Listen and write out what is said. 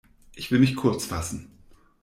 Ich will mich kurz fassen.